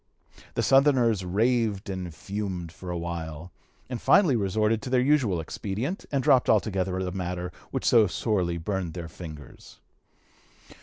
The Southerners raved and fumed for a while, and finally resorted to their usual expedient, and dropped altogether a matter which so sorely burned their fingers.